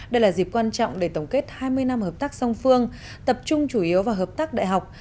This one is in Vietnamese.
đây là dịp quan trọng để tổng kết hai mươi năm hợp tác song phương tập trung chủ yếu vào hợp tác đại học